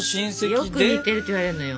よく似てるって言われるのよ。